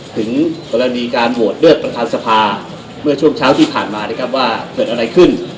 ถึงกรณีการโหวตเลือกประธานสภาเมื่อช่วงเช้าที่ผ่านมานะครับว่าเกิดอะไรขึ้น